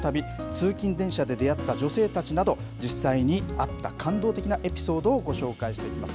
通勤電車で出会った女性たちなど、実際にあった感動的なエピソードをご紹介していきます。